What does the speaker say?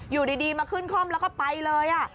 อยู่ดีมาขึ้นคล่อมแล้วก็ไปเลย